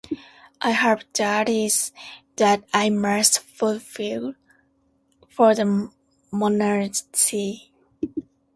I have duties that I must fulfill for the monarchy.